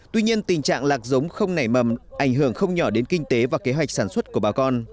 tuy nhiên tình trạng lạc giống không nảy mầm ảnh hưởng không nhỏ đến kinh tế và kế hoạch sản xuất của bà con